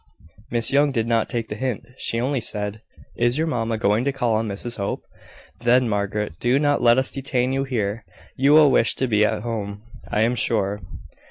Miss Young did not take the hint. She only said "Is your mamma going to call on Mrs Hope? Then, Margaret, do not let us detain you here. You will wish to be at home, I am sure."